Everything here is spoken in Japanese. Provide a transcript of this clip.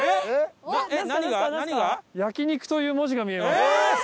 「焼肉」という文字が見えます。